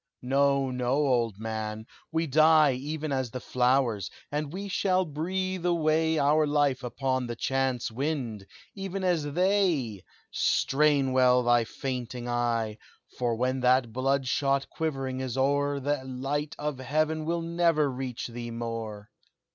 "No, no, old man! we die Even as the flowers, and we shall breathe away Our life upon the chance wind, even as they! Strain well thy fainting eye For when that bloodshot quivering is o'er, The light of heaven will never reach thee more.